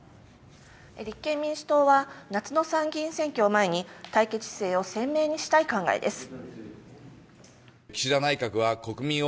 立憲民主党は夏の参議院選挙を前に対決姿勢を鮮明にしたい考えです。